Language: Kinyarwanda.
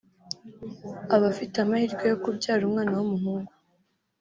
aba afite amahirwe yo kubyara umwana w’umuhungu